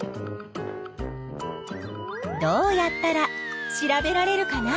どうやったら調べられるかな？